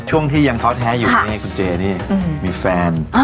ช่วงที่ยังแท้อยู่ด้านนี้คุณเจนี่มีแฟน